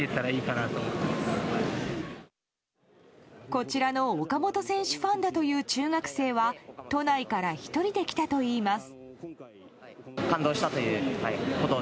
こちらの岡本選手ファンだという中学生は都内から１人で来たといいます。